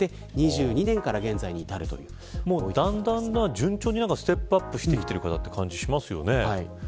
順調にステップアップしている方という感じがしますよね。